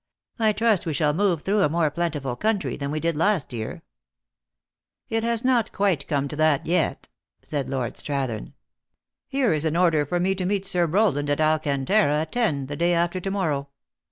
I trust we shall move through a more plentiful country than we did last year." " It has not quite come to that yet," said Lord 336 THE ACTRESS IN HIGH LIFE. Strathern. Here is an order for me to meet Sir Rowland at Alcantara, at ten, the day after to mor row.